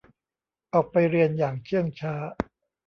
ออกไปเรียนอย่างเชื่องช้า